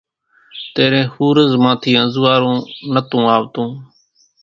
تيرين ۿورز مان ٿي انزوئارون نتون آوتون